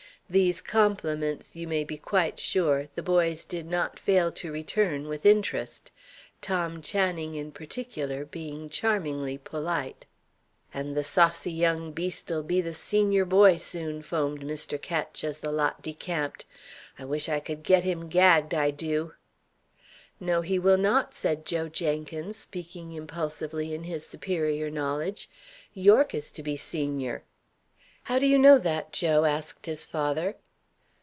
These compliments, you may be quite sure, the boys did not fail to return with interest: Tom Channing, in particular, being charmingly polite. "And the saucy young beast'll be the senior boy soon!" foamed Mr. Ketch, as the lot decamped. "I wish I could get him gagged, I do!" "No, he will not," said Joe Jenkins, speaking impulsively in his superior knowledge. "Yorke is to be senior." "How do you know that, Joe?" asked his father.